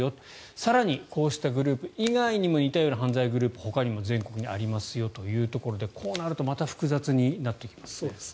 更にこうしたグループ以外にも似たような犯罪グループほかにも全国にありますよというところでこうなるとまた複雑になってきますね。